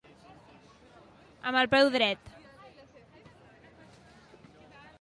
Amb el peu dret.